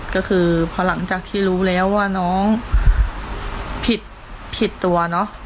ก็คือพอหลังจากที่รู้แล้วว่าน้องผิดผิดตัวเนอะ